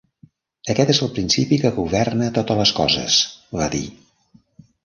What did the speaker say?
"Aquest és el principi que governa totes les coses" va dir.